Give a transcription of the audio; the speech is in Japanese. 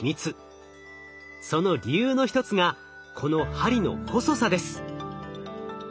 その理由の一つがこの針の細さです。